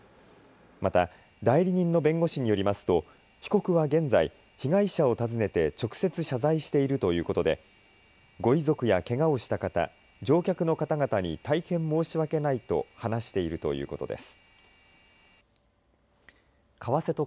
また代理人の弁護士によりますと被告は現在、被害者を訪ねて直接謝罪しているということでご遺族やけがをした方、乗客の方々に大変申し訳ないと話しているということです。